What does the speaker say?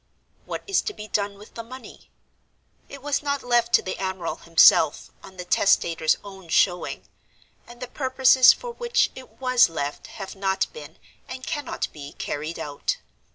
What is to be done with the money? It was not left to the admiral himself, on the testator's own showing; and the purposes for which it was left have not been, and cannot be, carried out.